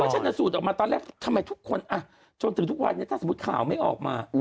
ชนะสูตรออกมาตอนแรกทำไมทุกคนจนถึงทุกวันนี้ถ้าสมมุติข่าวไม่ออกมา